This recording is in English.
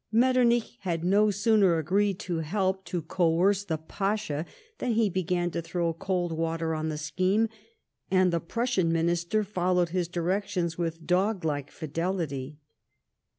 Metternich had no sooner agreed to help to coerce the Pasha than he began to throw cold water on the scheme, and the Prussian Minister followed his directions with dog like fidelity.